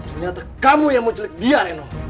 ternyata kamu yang menculik dia reno